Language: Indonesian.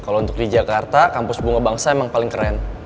kalau untuk di jakarta kampus bunga bangsa memang paling keren